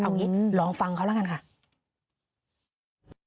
เอาอย่างนี้ลองฟังเขาละกันค่ะ